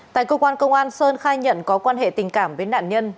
tại cơ quan công an sơn khai nhận có quan hệ tình cảm với nạn nhân